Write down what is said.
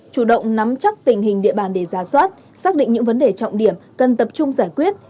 chủ động nắm chắc tình hình địa bàn để ra soát xác định những vấn đề trọng điểm cần tập trung giải quyết